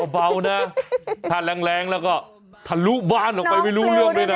เบานะถ้าแรงแล้วก็ทะลุบ้านออกไปไม่รู้เรื่องด้วยนะ